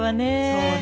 そうね。